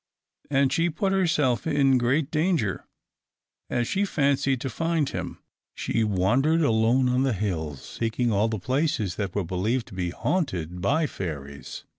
And she put herself in great danger, as she fancied, to find him. She wandered alone on the hills, seeking all the places that were believed to be haunted by fairies.